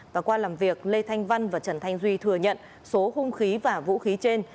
và qua làm việc lê thanh văn và trần thanh duy thừa nhận số hung khí và vũ khí trên